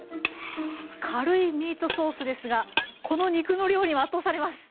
軽いミートソースですがこの肉の量には圧倒されます。